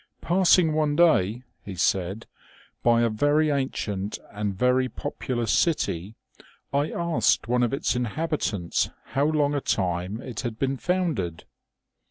" Passing one day," he said, " by a very ancient and very populous city, I asked one of its inhabi tants how long a time it had been founded.